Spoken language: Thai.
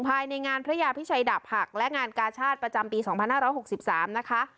ภายในงานพระยาพิชัยดับผักและงานกาชาติประจำปีสองพันห้าร้าหกสิบสามนะคะ